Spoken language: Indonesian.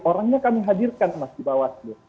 orangnya kami hadirkan mas di bawaslu